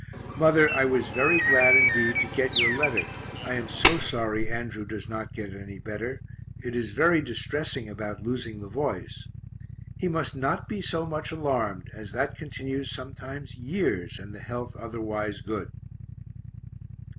Mother, I was very glad indeed to get your letter I am so sorry Andrew does not get any better; it is very distressing about losing the voice; he must not be so much alarmed, as that continues some times years and the health otherwise good.